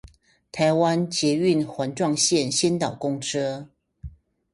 台北捷運環狀線先導公車